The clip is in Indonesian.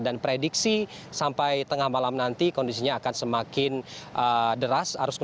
dan prediksi sampai tengah malam nanti kondisinya akan semakin deras